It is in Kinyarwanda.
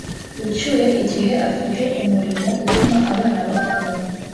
ucyuye igihe afite umurimo utuma abana bakora